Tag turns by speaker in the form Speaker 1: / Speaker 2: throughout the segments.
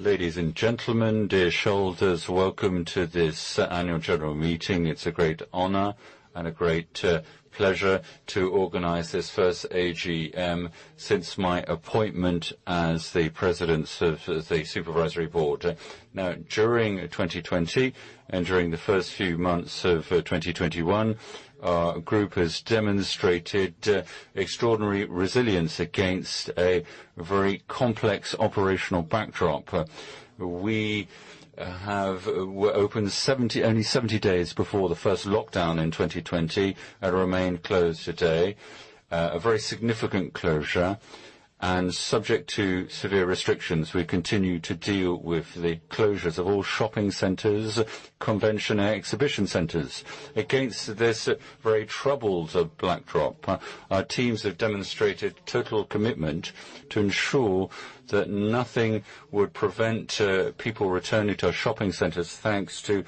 Speaker 1: Ladies and gentlemen, dear shareholders, welcome to this Annual General Meeting. It's a great honor and a great pleasure to organize this first AGM since my appointment as the president of the supervisory board. Now, during 2020 and during the first few months of 2021, our group has demonstrated extraordinary resilience against a very complex operational backdrop. We were open only 70 days before the first lockdown in 2020, and remain closed today. A very significant closure, and subject to severe restrictions, we continue to deal with the closures of all shopping centers, convention exhibition centers. Against this very troubled backdrop, our teams have demonstrated total commitment to ensure that nothing would prevent people returning to our shopping centers, thanks to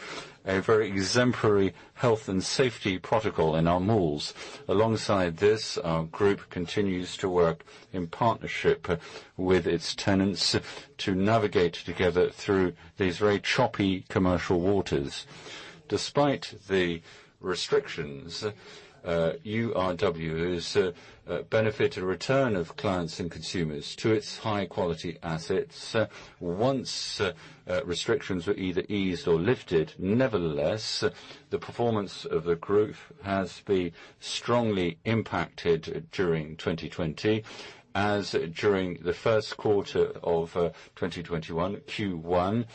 Speaker 1: a very exemplary health and safety protocol in our malls. Alongside this, our group continues to work in partnership with its tenants to navigate together through these very choppy commercial waters. Despite the restrictions, URW has benefited a return of clients and consumers to its high-quality assets, once restrictions were either eased or lifted. Nevertheless, the performance of the group has been strongly impacted during 2020, as during the first quarter of 2021, Q1.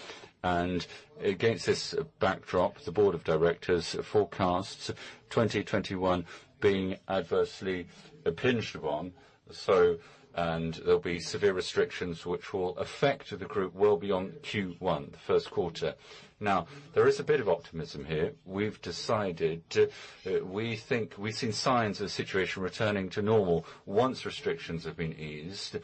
Speaker 1: And against this backdrop, the Board of Directors forecasts 2021 being adversely impinged upon, so-- And there'll be severe restrictions which will affect the group well beyond Q1, the first quarter. Now, there is a bit of optimism here. We've decided... We think we've seen signs of the situation returning to normal once restrictions have been eased,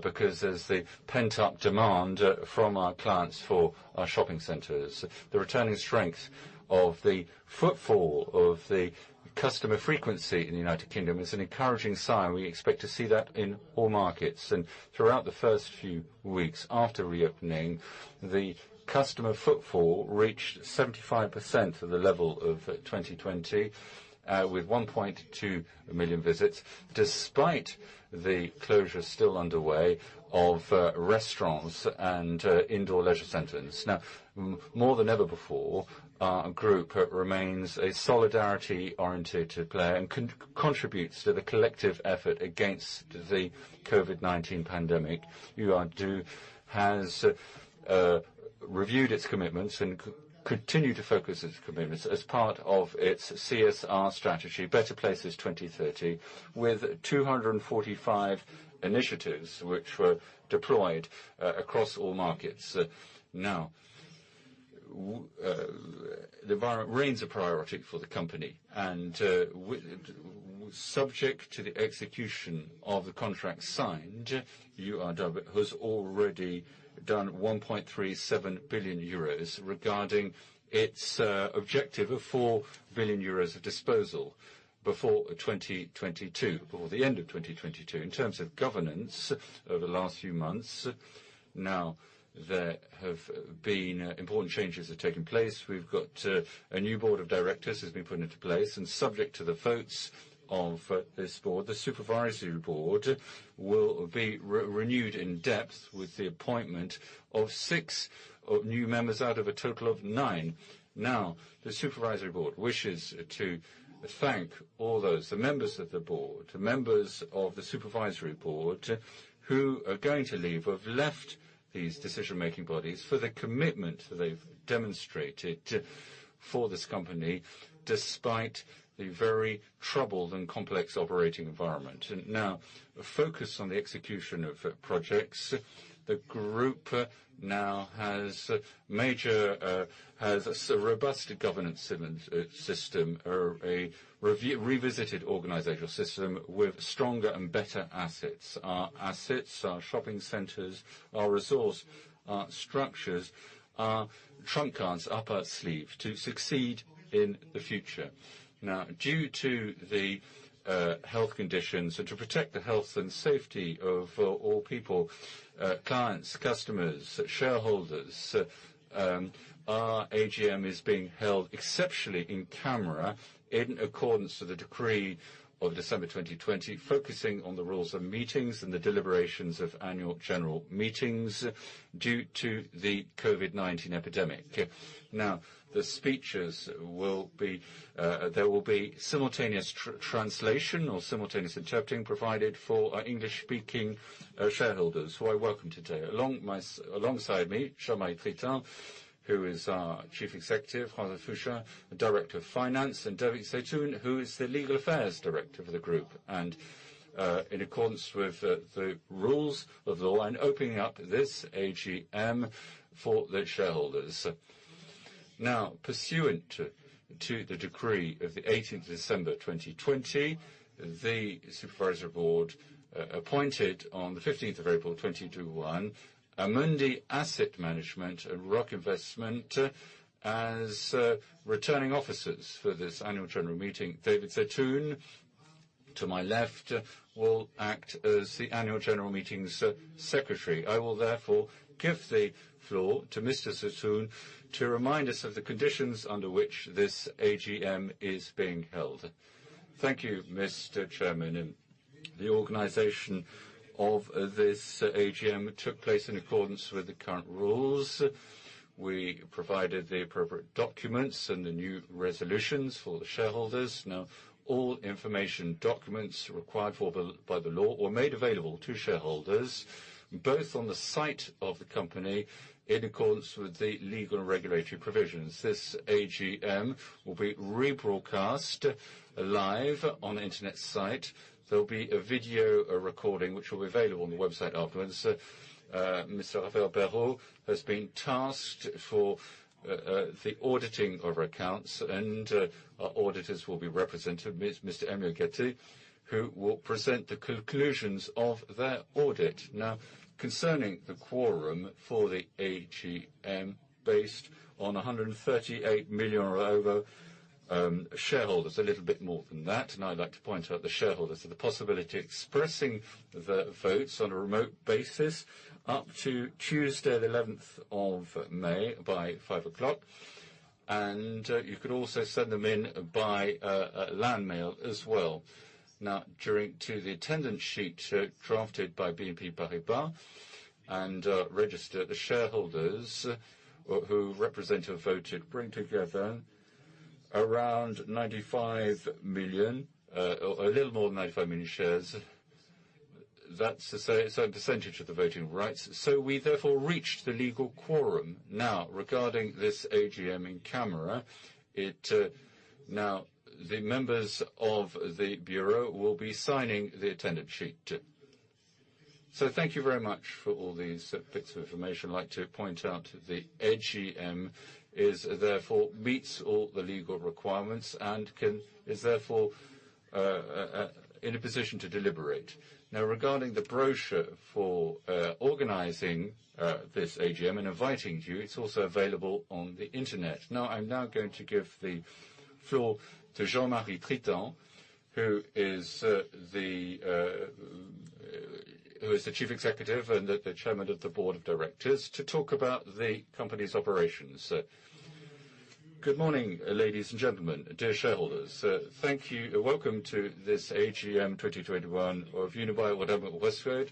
Speaker 1: because there's the pent-up demand from our clients for our shopping centers. The returning strength of the footfall of the customer frequency in the United Kingdom is an encouraging sign. We expect to see that in all markets. Throughout the first few weeks after reopening, the customer footfall reached 75% of the level of 2020 with 1.2 million visits, despite the closure still underway of restaurants and indoor leisure centers. Now, more than ever before, our group remains a solidarity-oriented player and contributes to the collective effort against the COVID-19 pandemic. URW has reviewed its commitments and continue to focus its commitments as part of its CSR strategy, Better Places 2030, with 245 initiatives which were deployed across all markets. Now, the environment remains a priority for the company, and subject to the execution of the contract signed, URW has already done 1.37 billion euros regarding its objective of 4 billion euros of disposal before 2022, before the end of 2022. In terms of governance over the last few months, now, there have been important changes have taken place. We've got a new Board of Directors has been put into place, and subject to the votes of this board, the Supervisory Board will be renewed in depth with the appointment of six new members out of a total of nine. Now, the Supervisory Board wishes to thank all those, the members of the board, the members of the Supervisory Board, who are going to leave, or have left these decision-making bodies, for the commitment they've demonstrated for this company, despite the very troubled and complex operating environment. Now, focus on the execution of projects. The group now has major, has a robust governance system, or a revisited organizational system with stronger and better assets. Our assets, our shopping centers, our resource, our structures, our trump cards up our sleeve to succeed in the future. Now, due to the health conditions and to protect the health and safety of all people, clients, customers, shareholders, our AGM is being held exceptionally in camera, in accordance to the decree of December 2020, focusing on the rules of meetings and the deliberations of Annual General Meetings due to the COVID-19 epidemic. Now, the speeches will be. There will be simultaneous translation or simultaneous interpreting provided for English-speaking shareholders, who I welcome today. Alongside me, Jean-Marie Tritant, who is our Chief Executive, Fabrice Mouchel, Director of Finance, and David Zeitoun, who is the Legal Affairs Director for the group, and in accordance with the rules of the law, and opening up this AGM for the shareholders. Now, pursuant to the decree of the 18th December, 2020, the Supervisory Board appointed on the 15th of April, 2021, Amundi Asset Management and Rock Investment as returning officers for this Annual General Meeting. David Zeitoun, to my left, will act as the Annual General Meeting secretary. I will therefore give the floor to Mr. Zeitoun, to remind us of the conditions under which this AGM is being held. Thank you, Mr. Chairman. The organization of this AGM took place in accordance with the current rules. We provided the appropriate documents and the new resolutions for the shareholders. Now, all information documents required by the law were made available to shareholders, both on the site of the company, in accordance with the legal and regulatory provisions. This AGM will be rebroadcast live on the internet site. There will be a video recording, which will be available on the website afterwards. Mr. Raphaël Prud'hon has been tasked for the auditing of our accounts, and our auditors will be represented by Mr. Emmanuel Gadret, who will present the conclusions of their audit. Now, concerning the quorum for the AGM, based on 138 million or over shares, a little bit more than that. Now, I'd like to point out the shareholders have the possibility of expressing the votes on a remote basis, up to Tuesday, the 11th of May, by 5:00 P.M. You could also send them in by land mail as well. Now, as to the attendance sheet drafted by BNP Paribas, and register the shareholders who represent or voted, bring together around 95 million, a little more than 95 million shares. That's to say, so a percentage of the voting rights. So we therefore reached the legal quorum. Now, regarding this AGM in camera, it... Now, the members of the bureau will be signing the attendance sheet. So thank you very much for all these bits of information. I'd like to point out, the AGM is therefore, meets all the legal requirements, and is therefore in a position to deliberate. Now, regarding the brochure for organizing this AGM and inviting you, it's also available on the internet. Now, I'm going to give the floor to Jean-Marie Tritant, who is the Chief Executive and the Chairman of the Board of Directors, to talk about the company's operations. Good morning, ladies and gentlemen, dear shareholders. Thank you, welcome to this AGM 2021 of Unibail-Rodamco-Westfield,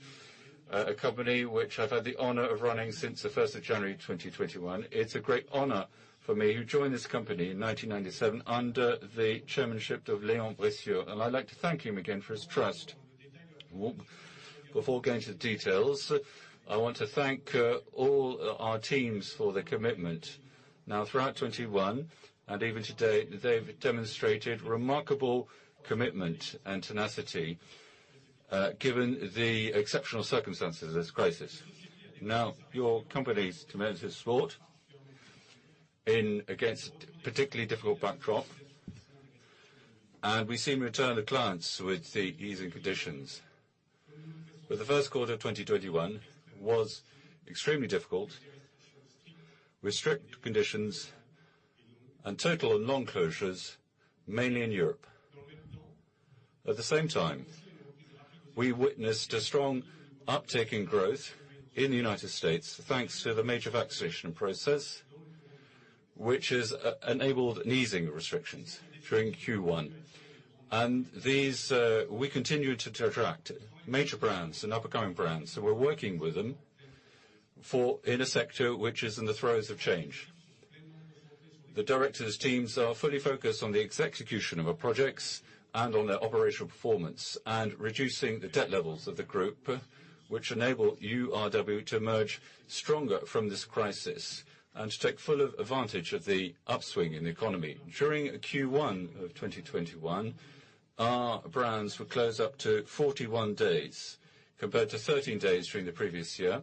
Speaker 1: a company which I've had the honor of running since the first of January 2021. It's a great honor for me, who joined this company in 1997, under the chairmanship of Léon Bressler, and I'd like to thank him again for his trust. Before going to the details, I want to thank all our teams for their commitment. Now, throughout 2021, and even today, they've demonstrated remarkable commitment and tenacity, given the exceptional circumstances of this crisis. Now, your company's committed supporting against particularly difficult backdrop, and we see return of clients with the easing conditions. But the first quarter of 2021 was extremely difficult, with strict conditions and total and long closures, mainly in Europe. At the same time, we witnessed a strong uptake in growth in the United States, thanks to the major vaccination process, which has enabled an easing of restrictions during Q1. We continued to attract major brands and up-and-coming brands, so we're working with them for in a sector which is in the throes of change. The directors teams are fully focused on the execution of our projects and on their operational performance, and reducing the debt levels of the group, which enable URW to emerge stronger from this crisis, and to take full of advantage of the upswing in the economy. During Q1 of 2021, our brands were closed up to 41 days, compared to 13 days during the previous year.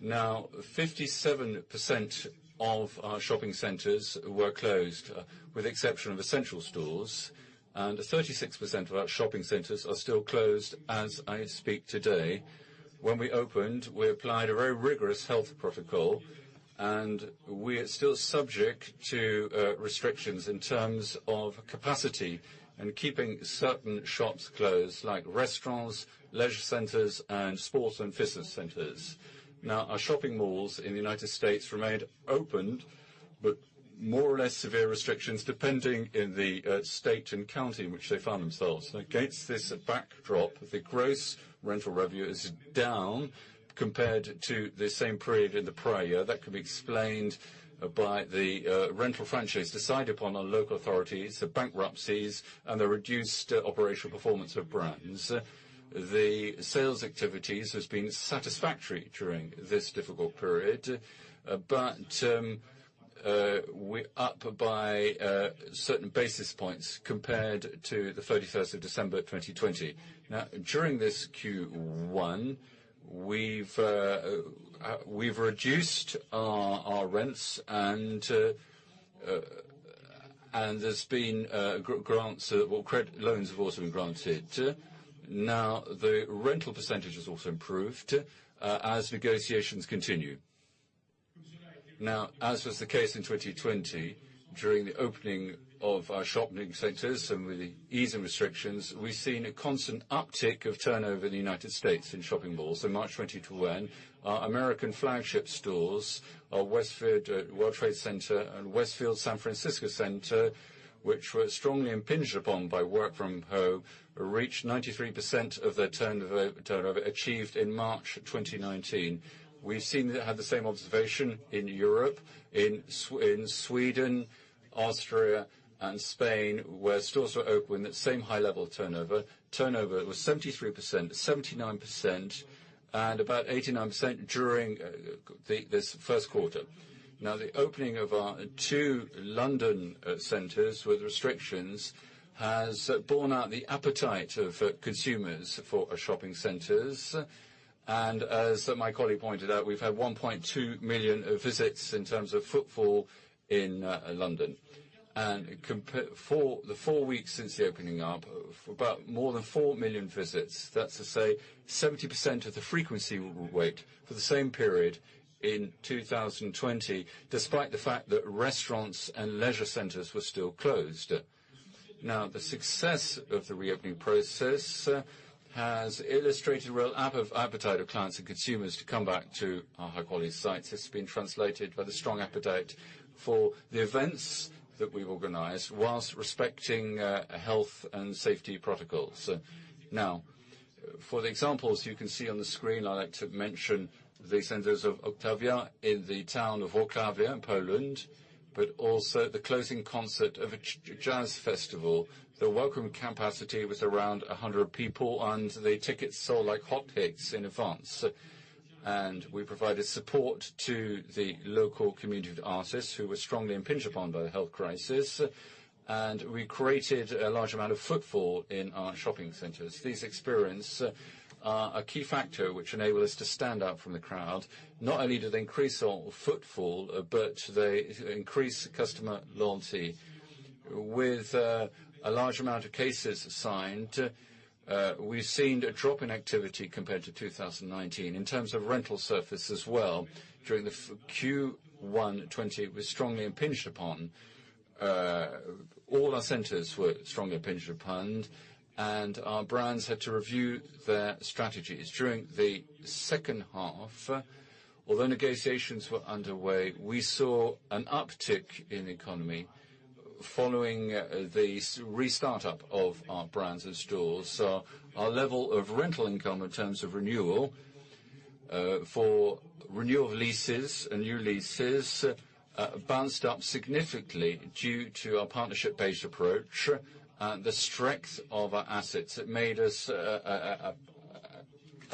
Speaker 1: Now, 57% of our shopping centers were closed, with exception of essential stores, and 36% of our shopping centers are still closed as I speak today. When we opened, we applied a very rigorous health protocol, and we are still subject to, restrictions in terms of capacity and keeping certain shops closed, like restaurants, leisure centers, and sports and fitness centers. Now, our shopping malls in the United States remained opened, but more or less severe restrictions, depending in the state and county in which they found themselves. Against this backdrop, the gross rental revenue is down compared to the same period in the prior year. That could be explained by the, rental franchises decided upon on local authorities, the bankruptcies, and the reduced operational performance of brands. The sales activities has been satisfactory during this difficult period, but, we're up by certain basis points compared to the 31st of December, 2020. Now, during this Q1, we've reduced our rents and there's been grants, well, credit loans have also been granted. Now, the rental percentage has also improved as negotiations continue. Now, as was the case in 2020, during the opening of our shopping centers and with the easing restrictions, we've seen a constant uptick of turnover in the United States in shopping malls. In March 2021, our American flagship stores, our Westfield World Trade Center and Westfield San Francisco Centre, which were strongly impinged upon by work from home, reached 93% of their turnover achieved in March 2019. We've seen the same observation in Europe, in Sweden, Austria, and Spain, where stores were open, that same high level of turnover. Turnover was 73%, 79%, and about 89% during this first quarter. Now, the opening of our two London centers with restrictions has borne out the appetite of consumers for our shopping centers, and as my colleague pointed out, we've had 1.2 million visits in terms of footfall in London. And for the four weeks since the opening up, about more than 4 million visits. That's to say, 70% of the frequency we wait for the same period in 2020, despite the fact that restaurants and leisure centers were still closed. Now, the success of the reopening process has illustrated real appetite of clients and consumers to come back to our high-quality sites. It's been translated by the strong appetite for the events that we organize, while respecting health and safety protocols. Now, for the examples you can see on the screen, I'd like to mention the centers of Wroclavia in the town of Wroclaw, Poland, but also the closing concert of a jazz festival. The welcome capacity was around a hundred people, and the tickets sold like hotcakes in advance. And we provided support to the local community of artists, who were strongly impinged upon by the health crisis, and we created a large amount of footfall in our shopping centers. This experience, a key factor which enabled us to stand out from the crowd, not only did they increase our footfall, but they increased customer loyalty. With a large amount of cases signed, we've seen a drop in activity compared to 2019. In terms of rental surface as well, during Q1 2020, it was strongly impinged upon. All our centers were strongly impinged upon, and our brands had to review their strategies. During the second half, although negotiations were underway, we saw an uptick in economy following the re-startup of our brands and stores. So our level of rental income in terms of renewal, for renewal of leases and new leases, bounced up significantly due to our partnership-based approach. The strength of our assets, it made us a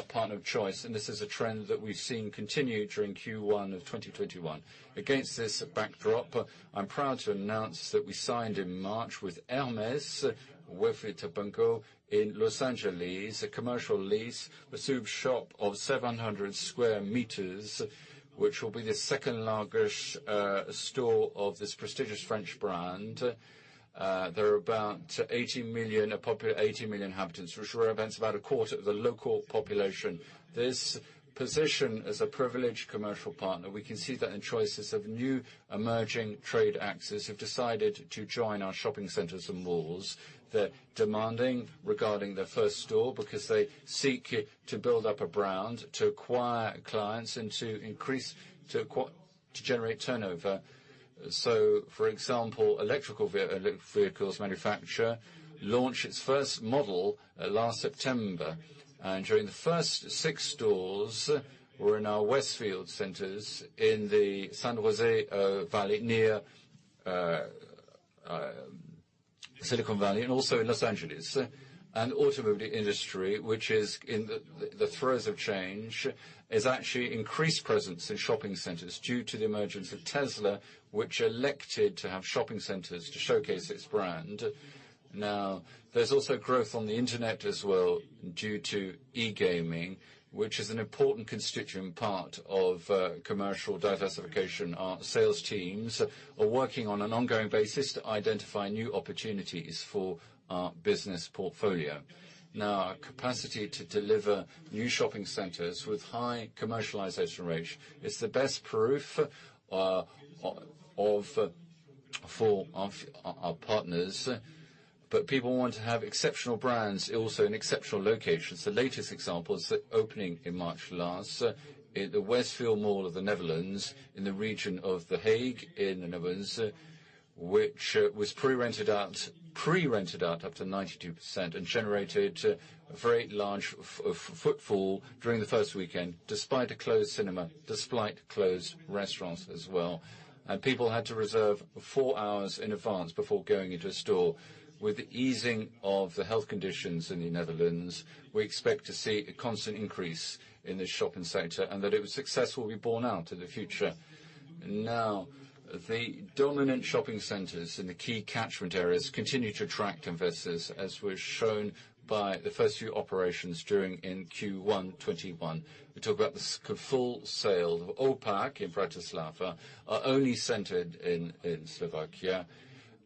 Speaker 1: partner of choice, and this is a trend that we've seen continue during Q1 of 2021. Against this backdrop, I'm proud to announce that we signed in March with Hermès, with Topanga in Los Angeles, a commercial lease, a store shop of 700 m² which will be the second-largest store of this prestigious French brand. There are about 80 million inhabitants, which represents about a quarter of the local population. This position as a privileged commercial partner. We can see that in choices of new emerging trade actors who've decided to join our shopping centers and malls. They're demanding regarding their first store, because they seek it to build up a brand, to acquire clients, and to generate turnover. For example, electric vehicles manufacturer launched its first model last September, and the first six stores were in our Westfield centers in the San Jose Valley near Silicon Valley and also in Los Angeles. The automobile industry, which is in the throes of change, has actually increased presence in shopping centers due to the emergence of Tesla, which elected to have shopping centers to showcase its brand. Now, there's also growth on the internet as well, due to e-gaming, which is an important constituent part of commercial diversification. Our sales teams are working on an ongoing basis to identify new opportunities for our business portfolio. Now, our capacity to deliver new shopping centers with high commercialization rate is the best proof for our partners. People want to have exceptional brands also in exceptional locations. The latest example is the opening in March last, in the Westfield Mall of the Netherlands, in the region of The Hague, in the Netherlands, which was pre-rented out up to 92% and generated a very large footfall during the first weekend, despite a closed cinema, despite closed restaurants as well. People had to reserve four hours in advance before going into a store. With the easing of the health conditions in the Netherlands, we expect to see a constant increase in the shopping center, and that its success will be borne out in the future. Now, the dominant shopping centers in the key catchment areas continue to attract investors, as was shown by the first few operations during Q1 2021. We talk about the full sale of Aupark in Bratislava, our only center in Slovakia,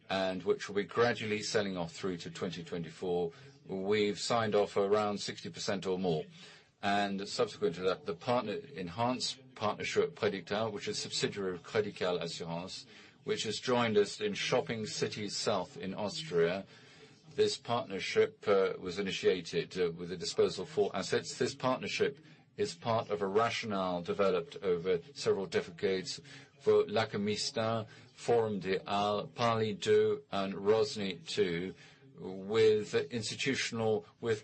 Speaker 1: and which we'll be gradually selling off through to 2024. We've signed off around 60% or more, and subsequent to that, the enhanced partnership with Crédit Agricole Assurances, which is a subsidiary of Crédit Agricole, which has joined us in Shopping City Süd in Austria. This partnership was initiated with the disposal of four assets. This partnership is part of a rationale developed over several decades for La Maquinista, Forum des Halles, Parly 2, and Rosny 2, with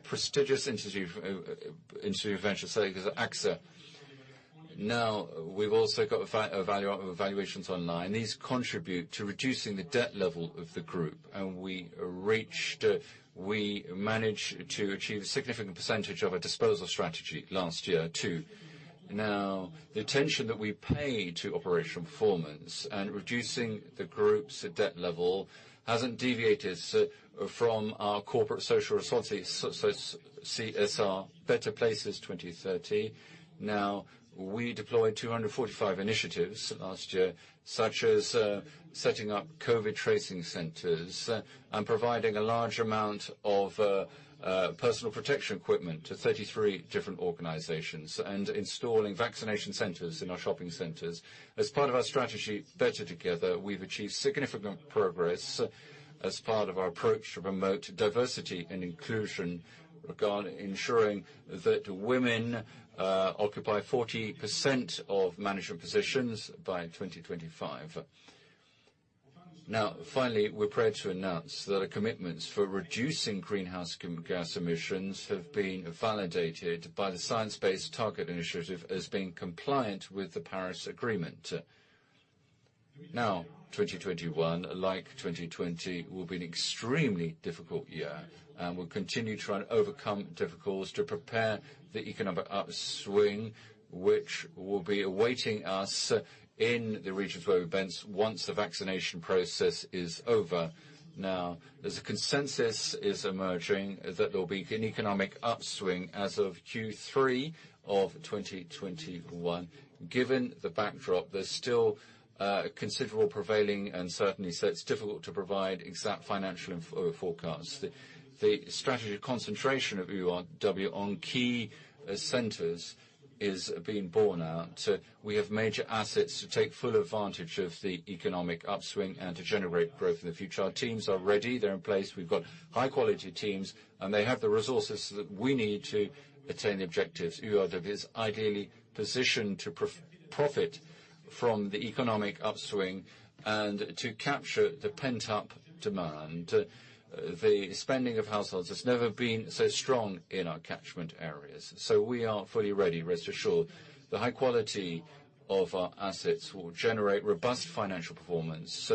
Speaker 1: prestigious institutional investors, so there's AXA. Now, we've also got valuations online. These contribute to reducing the debt level of the group, and we managed to achieve a significant percentage of our disposal strategy last year, too. Now, the attention that we pay to operational performance and reducing the group's debt level hasn't deviated from our corporate social responsibility, so CSR, Better Places 2030. Now, we deployed 245 initiatives last year, such as setting up COVID tracing centers, and providing a large amount of personal protection equipment to 33 different organizations, and installing vaccination centers in our shopping centers. As part of our strategy, Better Together, we've achieved significant progress as part of our approach to promote diversity and inclusion, regard ensuring that women occupy 48% of management positions by 2025. Now, finally, we're proud to announce that our commitments for reducing greenhouse gas emissions have been validated by the Science Based Targets initiative as being compliant with the Paris Agreement. Now, 2021, like 2020, will be an extremely difficult year, and we'll continue to try and overcome difficulties to prepare the economic upswing, which will be awaiting us in the regions where events, once the vaccination process is over. Now, as a consensus is emerging that there will be an economic upswing as of Q3 of 2021. Given the backdrop, there's still considerable prevailing uncertainty, so it's difficult to provide exact financial forecasts. The strategy concentration of URW on key centers is being borne out. We have major assets to take full advantage of the economic upswing and to generate growth in the future. Our teams are ready, they're in place. We've got high quality teams, and they have the resources that we need to attain the objectives. URW is ideally positioned to profit from the economic upswing and to capture the pent-up demand. The spending of households has never been so strong in our catchment areas, so we are fully ready, rest assured. The high quality of our assets will generate robust financial performance,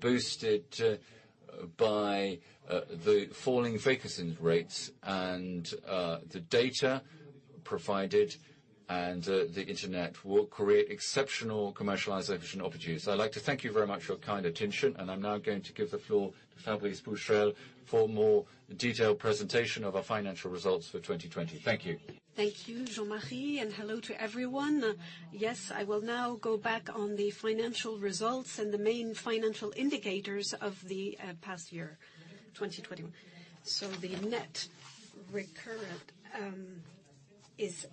Speaker 1: boosted by the falling vacancy rates and the data provided, and the internet will create exceptional commercialization opportunities. I'd like to thank you very much for your kind attention, and I'm now going to give the floor to Fabrice Mouchel for a more detailed presentation of our financial results for 2020. Thank you. Thank you, Jean-Marie, and hello to everyone. Yes, I will now go back on the financial results and the main financial indicators of the past year, 2020. So the net recurrent is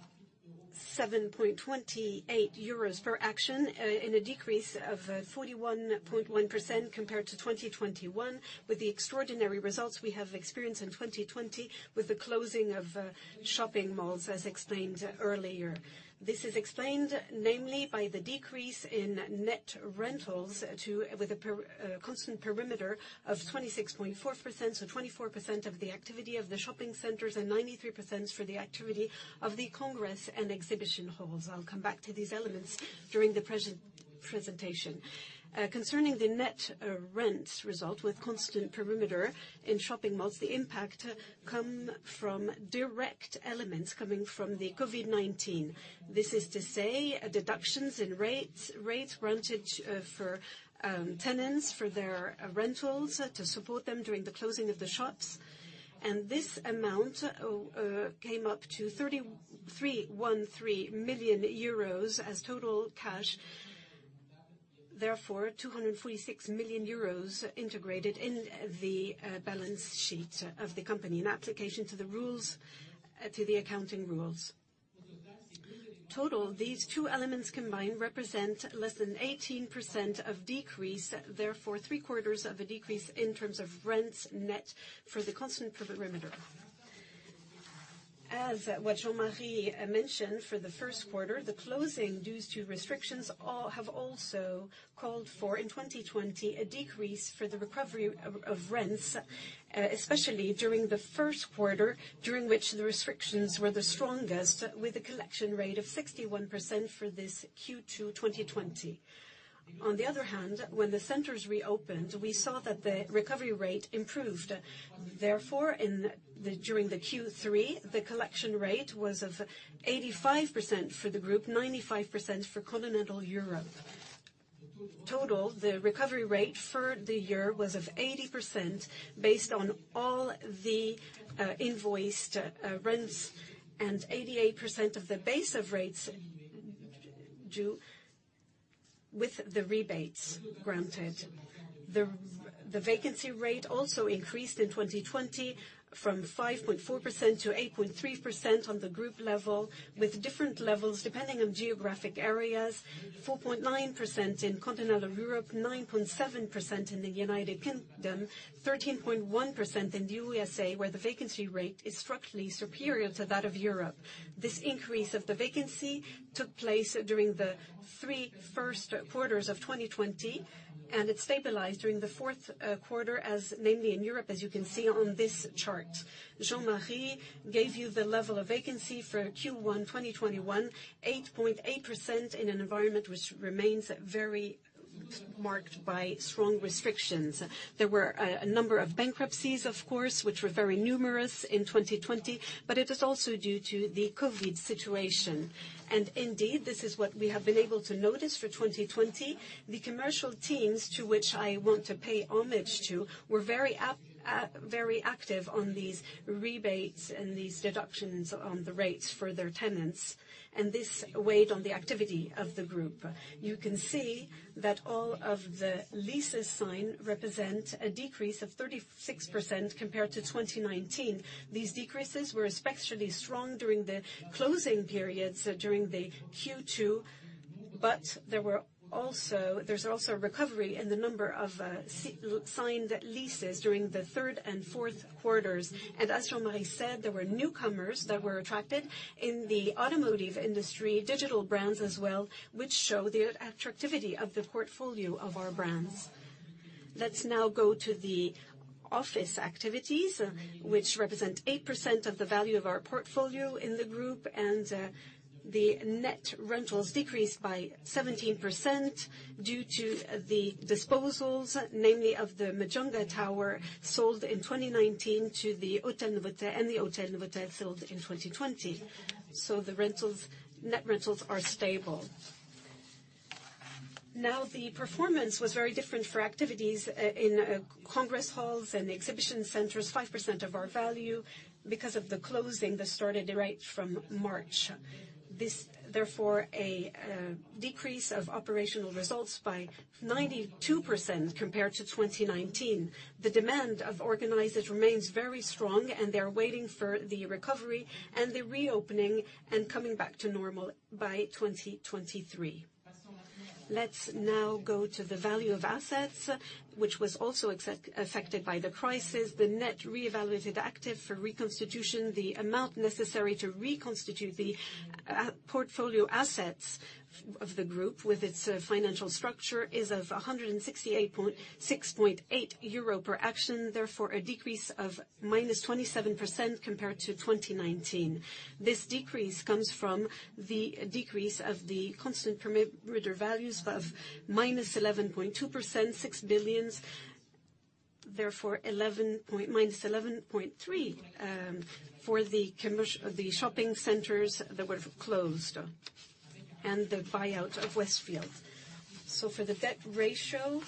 Speaker 1: 7.28 euros per share, in a decrease of 41.1% compared to 2021. With the extraordinary results we have experienced in 2020 with the closing of shopping malls, as explained earlier. This is explained, namely, by the decrease in net rentals to, with a constant perimeter of 26.4%, so 24% of the activity of the shopping centers, and 93% for the activity of the congress and exhibition halls. I'll come back to these elements during the presentation. Concerning the net rent result with constant perimeter in shopping malls, the impact come from direct elements coming from the COVID-19. This is to say, deductions in rates, rates granted, for tenants for their rentals to support them during the closing of the shops. This amount came up to 313 million euros as total cash, therefore, 246 million euros integrated in the balance sheet of the company, in application to the rules to the accounting rules. Total, these two elements combined represent less than 18% of decrease, therefore, three-quarters of a decrease in terms of rents net for the constant perimeter. As what Jean-Marie mentioned for the first quarter, the closing due to restrictions have also called for, in 2020, a decrease for the recovery of rents, especially during the first quarter, during which the restrictions were the strongest, with a collection rate of 61% for this Q2 2020. On the other hand, when the centers reopened, we saw that the recovery rate improved. Therefore, during the Q3, the collection rate was of 85% for the group, 95% for continental Europe. Total, the recovery rate for the year was of 80% based on all the invoiced rents, and 88% of the base rents due with the rebates granted. The vacancy rate also increased in 2020 from 5.4% to 8.3% on the group level, with different levels depending on geographic areas. 4.9% in continental Europe, 9.7% in the United Kingdom, 13.1% in the USA, where the vacancy rate is structurally superior to that of Europe. This increase of the vacancy took place during the three first quarters of 2020, and it stabilized during the fourth quarter, as namely in Europe, as you can see on this chart. Jean-Marie gave you the level of vacancy for Q1 2021, 8.8% in an environment which remains very marked by strong restrictions. There were a number of bankruptcies, of course, which were very numerous in 2020, but it is also due to the COVID situation. Indeed, this is what we have been able to notice for 2020. The commercial teams, to which I want to pay homage to, were very active on these rebates and these deductions on the rates for their tenants, and this weighed on the activity of the group. You can see that all of the leases signed represent a decrease of 36% compared to 2019. These decreases were especially strong during the closing periods during the Q2, but there's also a recovery in the number of signed leases during the third and fourth quarters. As Jean-Marie said, there were newcomers that were attracted in the automotive industry, digital brands as well, which show the attractivity of the portfolio of our brands. Let's now go to the office activities, which represent 8% of the value of our portfolio in the group, and the net rentals decreased by 17% due to the disposals, namely of the Majunga Tower, sold in 2019 to the Hotel Novotel, and the Hotel Novotel sold in 2020. So the rentals, net rentals are stable. Now, the performance was very different for activities in congress halls and exhibition centers, 5% of our value, because of the closing that started right from March. This, therefore, a decrease of operational results by 92% compared to 2019. The demand of organizers remains very strong, and they are waiting for the recovery and the reopening and coming back to normal by 2023. Let's now go to the value of assets, which was also affected by the crisis. The net revalued asset for reconstitution, the amount necessary to reconstitute the portfolio assets of the group with its financial structure, is 168.68 euro per action, therefore, a decrease of -27% compared to 2019. This decrease comes from the decrease of the constant perimeter values of -11.2%, EUR 6 billion, therefore -11.3%, for the shopping centers that were closed, and the buyout of Westfield. So for the debt ratio,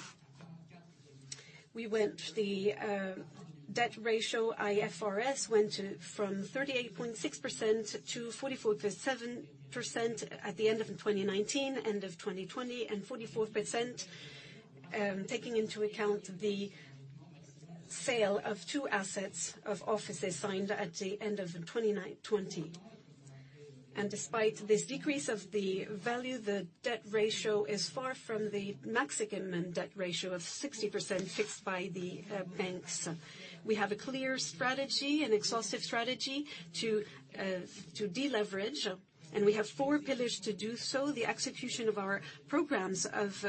Speaker 1: we went the debt ratio, IFRS, went to from 38.6% to 44.7% at the end of 2019, end of 2020, and 44%, taking into account the sale of two assets of offices signed at the end of 2019, 2020. Despite this decrease of the value, the debt ratio is far from the maximum debt ratio of 60% fixed by the banks. We have a clear strategy, an exhaustive strategy, to deleverage, and we have four pillars to do so. The execution of our programs of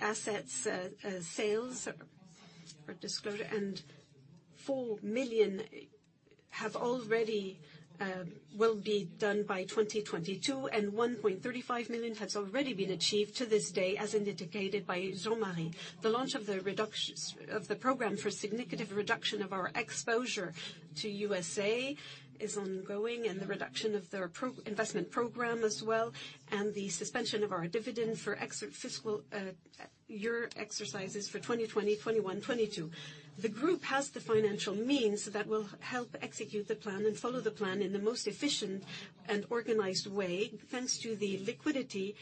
Speaker 1: assets sales or disposal, and 4 billion will be done by 2022, and 1.35 billion has already been achieved to this day, as indicated by Jean-Marie. The launch of the reductions, of the program for significant reduction of our exposure to USA is ongoing, and the reduction of their property investment program as well, and the suspension of our dividend for fiscal years 2020, 2021, 2022. The group has the financial means that will help execute the plan and follow the plan in the most efficient and organized way, thanks to the liquidity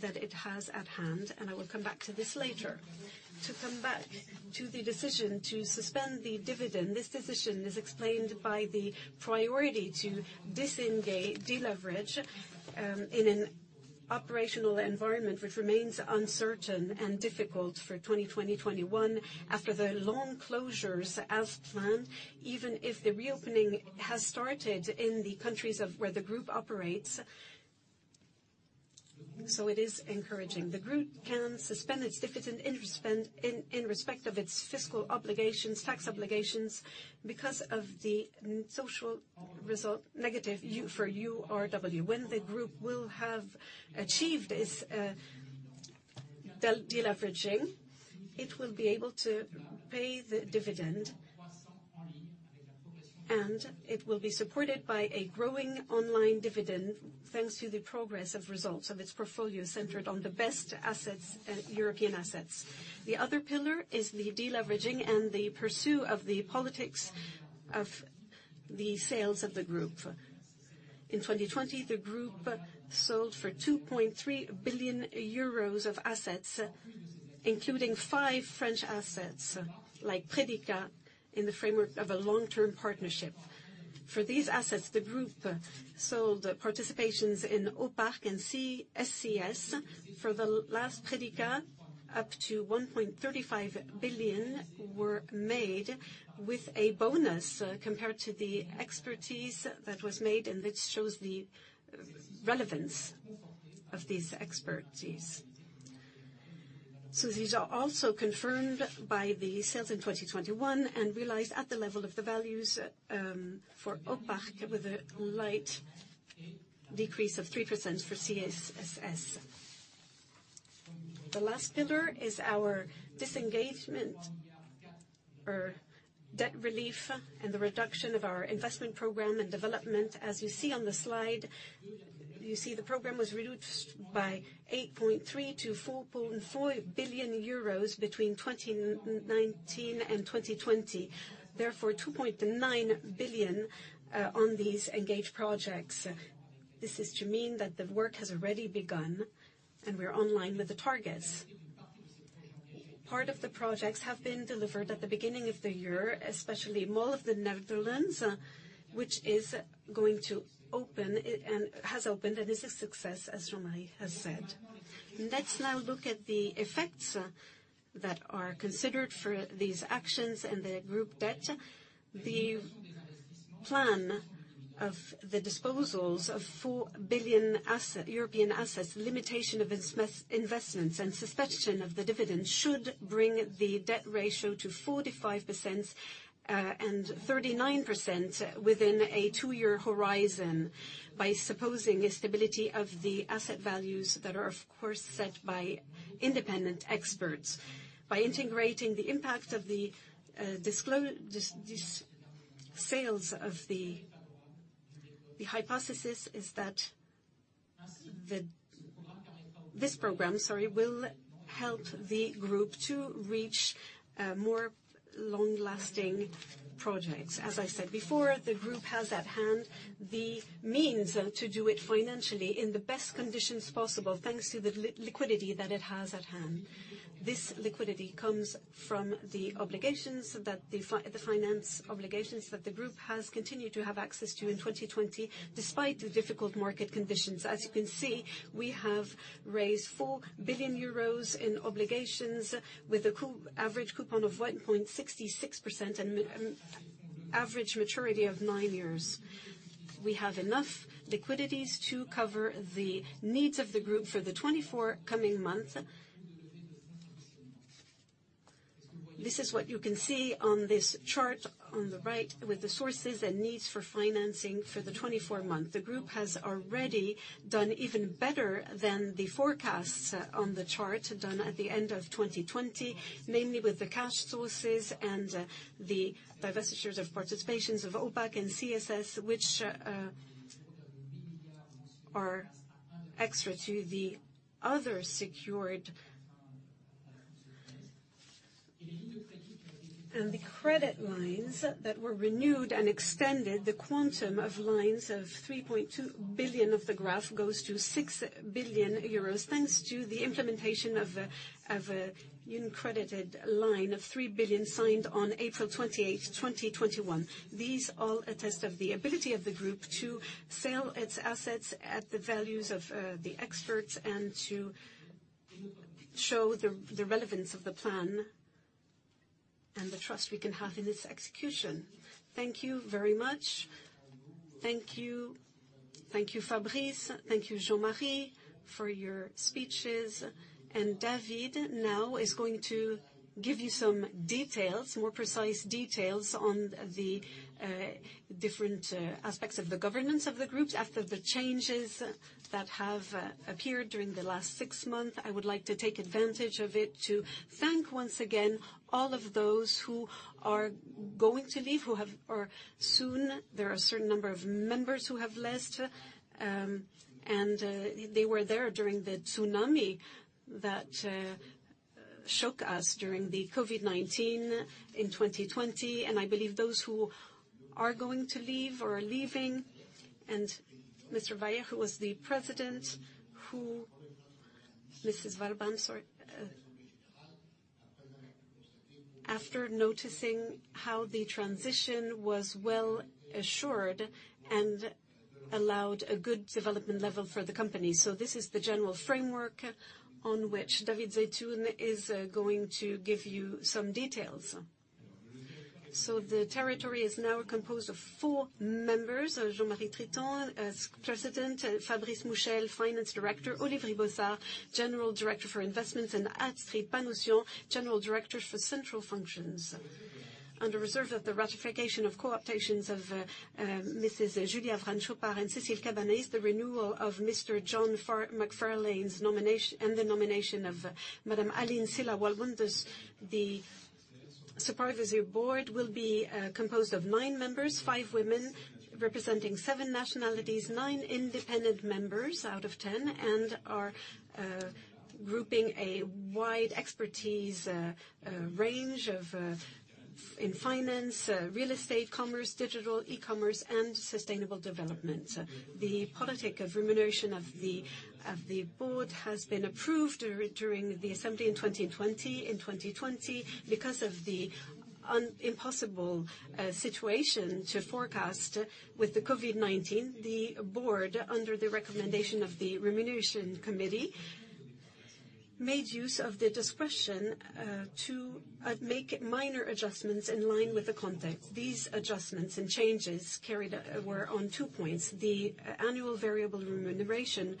Speaker 1: that it has at hand, and I will come back to this later. To come back to the decision to suspend the dividend, this decision is explained by the priority to disengage, deleverage, in an operational environment, which remains uncertain and difficult for 2020, 2021 after the long closures as planned, even if the reopening has started in the countries of where the group operates, so it is encouraging. The group can suspend its dividend interest spend in, in respect of its fiscal obligations, tax obligations, because of the social result negative for URW. When the group will have achieved its deleveraging, it will be able to pay the dividend, and it will be supported by a growing ongoing dividend, thanks to the progress of results of its portfolio, centered on the best assets, European assets. The other pillar is the deleveraging and the pursuit of the policy of the sales of the group. In 2020, the group sold for 2.3 billion euros of assets, including five French assets, like Predica, in the framework of a long-term partnership. For these assets, the group sold participations in Aupark and SCS. For the latter, Predica, up to 1.35 billion were made with a bonus compared to the expertise that was made, and this shows the relevance of these expertise. These are also confirmed by the sales in 2021, and realized at the level of the values for Aupark, with a light decrease of 3% for SCS. The last pillar is our disengagement or debt relief, and the reduction of our investment program and development. As you see on the slide, you see the program was reduced by 8.3 billion-4.4 billion euros between 2019 and 2020. Therefore, 2.9 billion on these engaged projects. This is to mean that the work has already begun, and we're online with the targets. Part of the projects have been delivered at the beginning of the year, especially Mall of the Netherlands, which is going to open and has opened, and is a success, as Jean-Marie has said. Let's now look at the effects that are considered for these actions and the group debt. The plan of the disposals of 4 billion European assets, limitation of investments, and suspension of the dividends should bring the debt ratio to 45% and 39% within a two-year horizon, by supposing a stability of the asset values that are, of course, set by independent experts. By integrating the impact of the disposals. The hypothesis is that this program will help the group to reach more long-lasting projects. As I said before, the group has at hand the means to do it financially in the best conditions possible, thanks to the liquidity that it has at hand. This liquidity comes from the finance obligations that the group has continued to have access to in 2020, despite the difficult market conditions. As you can see, we have raised 4 billion euros in obligations, with an average coupon of 1.66% and average maturity of nine years. We have enough liquidity to cover the needs of the group for the 24 coming months. This is what you can see on this chart on the right, with the sources and needs for financing for the 24 month. The group has already done even better than the forecasts on the chart done at the end of 2020, mainly with the cash sources and the divestitures of participations of Aupark and SCS, which are extra to the other secured... And the credit lines that were renewed and extended, the quantum of lines of 3.2 billion, the total goes to 6 billion euros, thanks to the implementation of an undrawn line of 3 billion signed on April 28th, 2021. These all attest to the ability of the group to sell its assets at the values of the experts, and to show the relevance of the plan and the trust we can have in its execution. Thank you very much. Thank you. Thank you, Fabrice. Thank you, Jean-Marie, for your speeches. And David now is going to give you some details, more precise details, on the different aspects of the governance of the groups. After the changes that have appeared during the last six months, I would like to take advantage of it to thank, once again, all of those who are going to leave, who have or soon... There are a certain number of members who have left, and they were there during the tsunami that shook us during the COVID-19 in 2020. I believe those who are going to leave or are leaving, and Mr. Cuvillier, who was the president, who Mrs. Cuvillier, sorry... After noticing how the transition was well assured and allowed a good development level for the company. This is the general framework on which David Zeitoun is going to give you some details. The territory is now composed of four members: Jean-Marie Tritant, as President, Fabrice Mouchel, Finance Director, Olivier Bossard, General Director for Investments, and Astrid Panosyan, General Director for Central Functions. Under reserve of the ratification of co-optations of Mrs. Julie Avrane and Cécile Cabanis, the renewal of Mr. John McFarlane's nomination, and the nomination of Madam Aline Sylla-Walbaum, the Supervisory Board will be composed of nine members, five women, representing seven nationalities, nine independent members out of 10, and bringing a wide range of expertise in finance, real estate, commerce, digital, e-commerce, and sustainable development. The policy of remuneration of the Board has been approved during the assembly in 2020. In 2020, because of the impossible situation to forecast with the COVID-19, the board, under the recommendation of the Remuneration Committee, made use of the discretion to make minor adjustments in line with the context. These adjustments and changes carried were on two points, the annual variable remuneration,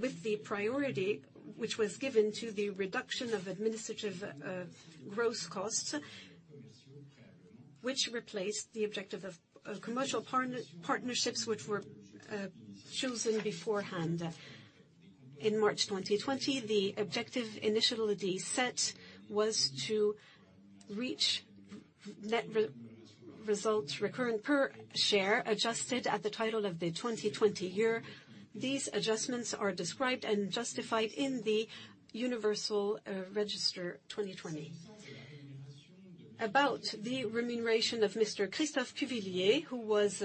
Speaker 1: with the priority which was given to the reduction of administrative gross costs, which replaced the objective of commercial partnerships which were chosen beforehand. In March 2020, the objective initially set was to reach net recurrent results per share, adjusted at the title of the 2020 year. These adjustments are described and justified in the Universal Registration Document 2020. About the remuneration of Mr. Christophe Cuvillier, who was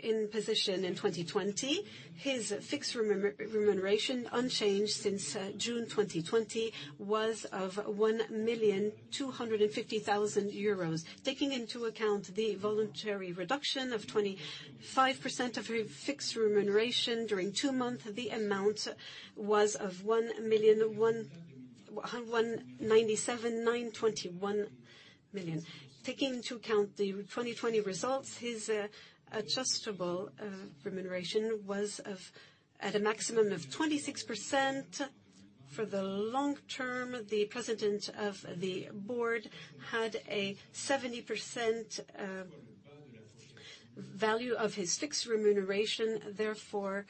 Speaker 1: in position in 2020, his fixed remuneration, unchanged since June 2020, was of 1,250,000 euros. Taking into account the voluntary reduction of 25% of his fixed remuneration during two months, the amount was of 1,197,921. Taking into account the 2020 results, his adjustable remuneration was of at a maximum of 26%. For the long term, the president of the Board had a 70% value of his fixed remuneration, therefore,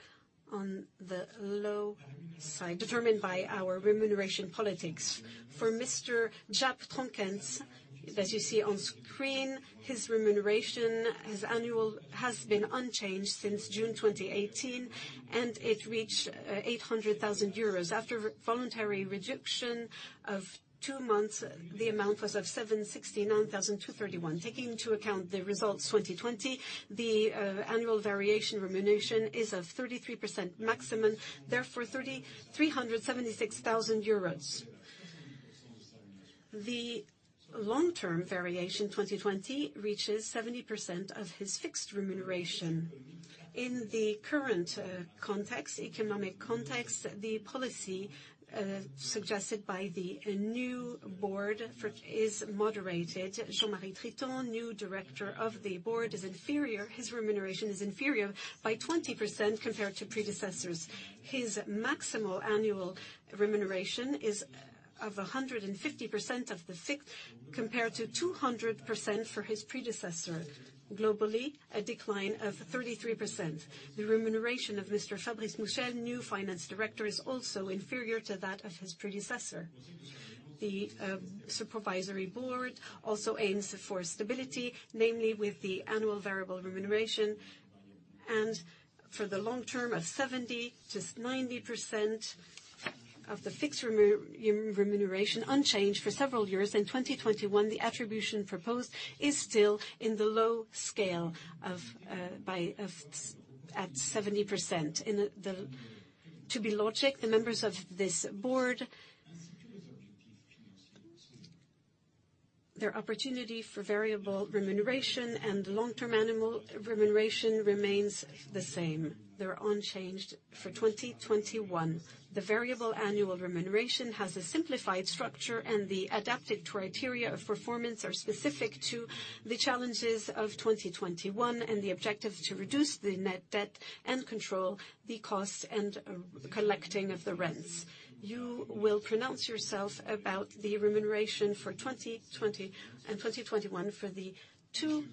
Speaker 1: on the low side, determined by our remuneration policy. For Mr. Jaap Tonkens, as you see on screen, his remuneration, his annual, has been unchanged since June 2018, and it reached 800,000 euros. After voluntary reduction of two months, the amount was 769,231. Taking into account the results 2020, the annual variation remuneration is 33% maximum, therefore EUR 376,000. The long-term variation 2020 reaches 70% of his fixed remuneration. In the current economic context, the policy suggested by the new Board is moderated. Jean-Marie Tritant, new director of the board, his remuneration is inferior by 20% compared to predecessors. His maximal annual remuneration is 150% of the fixed, compared to 200% for his predecessor. Globally, a decline of 33%. The remuneration of Mr. Fabrice Mouchel, new finance director, is also inferior to that of his predecessor. The Supervisory Board also aims for stability, namely with the annual variable remuneration, and for the long term, of 70%-90% of the fixed remuneration, unchanged for several years. In 2021, the attribution proposed is still in the low scale of at 70%. To be logical, the members of this board, their opportunity for variable remuneration and long-term annual remuneration remains the same. They're unchanged for 2021. The variable annual remuneration has a simplified structure, and the adapted criteria of performance are specific to the challenges of 2021, and the objective is to reduce the net debt and control the cost and collecting of the rents. You will pronounce yourself about the remuneration for 2020 and 2021 for the two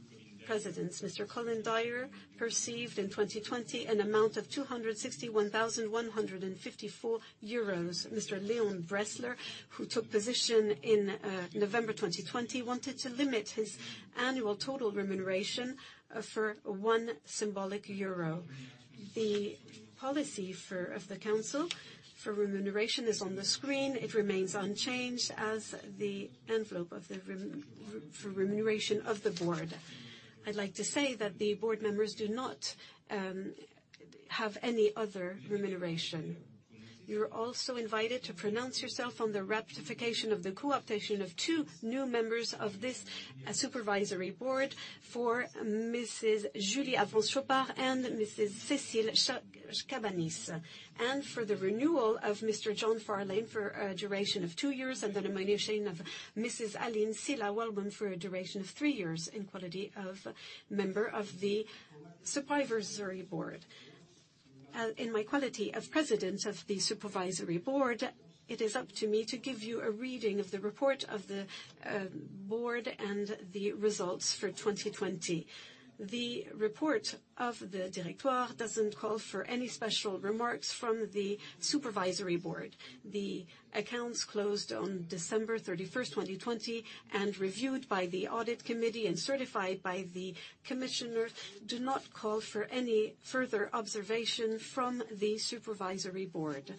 Speaker 1: presidents. Mr. Colin Dyer received in 2020 an amount of 261,154 euros. Mr. Léon Bressler, who took position in November 2020, wanted to limit his annual total remuneration for 1 euro symbolic. The policy for, of the council for remuneration is on the screen. It remains unchanged as the envelope for remuneration of the board. I'd like to say that the Board Members do not have any other remuneration. You're also invited to pronounce yourself on the ratification of the co-optation of two new members of this Supervisory Board for Mrs. Julie Avrane and Mrs. Cécile Cabanis, and for the renewal of Mr. John McFarlane for a duration of two years, and the nomination of Mrs. Aline Sylla-Walbaum for a duration of three years in quality of member of the supervisory board. In my quality as president of the Supervisory Board, it is up to me to give you a reading of the report of the Board and the results for 2020. The report of the Directoire doesn't call for any special remarks from the Supervisory Board. The accounts closed on December 31st, 2020, and reviewed by the Audit Committee and certified by the commissioner, do not call for any further observation from the Supervisory Board.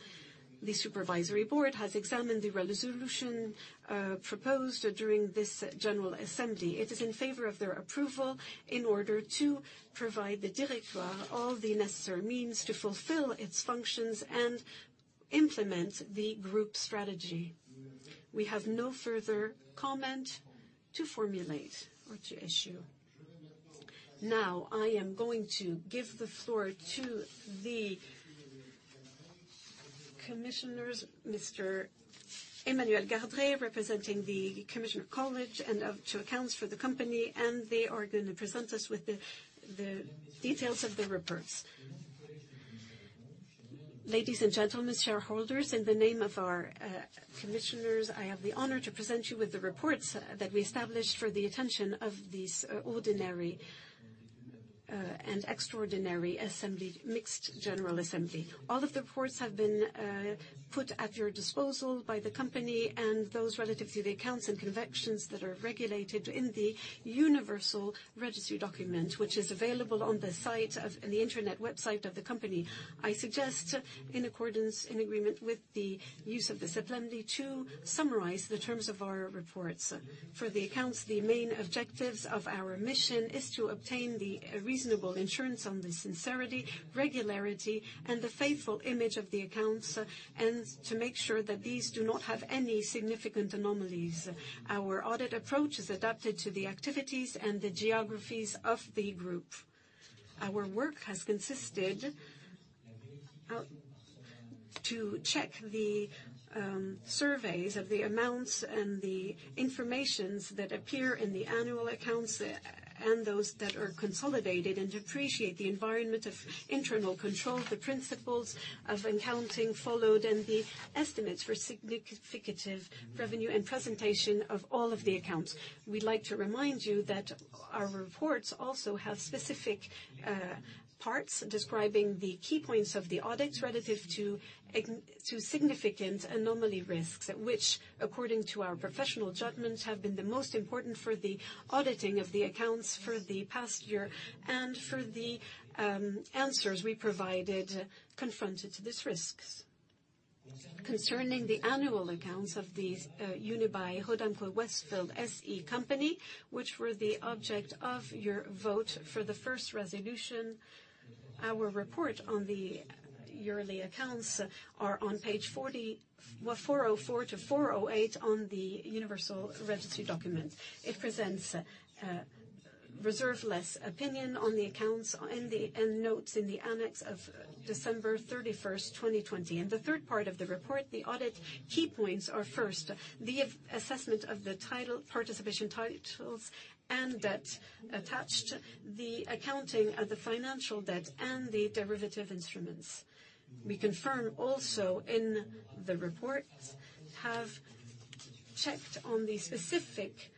Speaker 1: The Supervisory Board has examined the resolution proposed during this general assembly. It is in favor of their approval in order to provide the Directoire all the necessary means to fulfill its functions and implement the group strategy. We have no further comment to formulate or to issue. Now, I am going to give the floor to the commissioners, Mr. Emmanuel Gadret, representing the college of commissioners to the accounts for the company, and they are going to present us with the details of the reports. Ladies and gentlemen, shareholders, in the name of our commissioners, I have the honor to present you with the reports that we established for the attention of this ordinary and extraordinary assembly, mixed general assembly. All of the reports have been put at your disposal by the company and those relative to the accounts and conventions that are regulated in the Universal Registration Document, which is available on the internet website of the company. I suggest, in accordance and agreement with the use of this assembly, to summarize the terms of our reports. For the accounts, the main objectives of our mission is to obtain the reasonable assurance on the sincerity, regularity, and the faithful image of the accounts, and to make sure that these do not have any significant anomalies. Our audit approach is adapted to the activities and the geographies of the group. Our work has consisted of to check the surveys of the amounts and the information that appear in the annual accounts, and those that are consolidated, and to appreciate the environment of internal control, the principles of accounting followed, and the estimates for significant revenue and presentation of all of the accounts. We'd like to remind you that our reports also have specific parts describing the key points of the audits relative to to significant anomaly risks, which, according to our professional judgment, have been the most important for the auditing of the accounts for the past year and for the answers we provided confronted to these risks. Concerning the annual accounts of these Unibail-Rodamco-Westfield SE company, which were the object of your vote for the first resolution, our report on the yearly accounts are on page 404-408 on the Universal Registration Document. It presents a reserve-less opinion on the accounts and the and notes in the annex of December 31st, 2020. And the third part of the report, the audit key points are first, the assessment of the titles, participation titles and debt attached, the accounting of the financial debt and the derivative instruments. We confirm also in the report, have checked on the specific